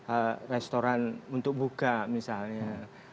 eh restoran untuk buka misalnya